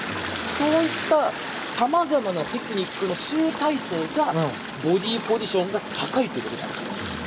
そういったさまざまなテクニックの新体制がボディーポジションが高いということなんです。